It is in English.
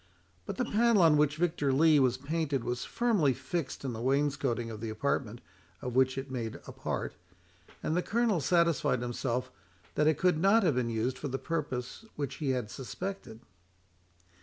But the panel on which Victor Lee was painted was firmly fixed in the wainscoting of the apartment, of which it made a part, and the Colonel satisfied himself that it could not have been used for the purpose which he had suspected.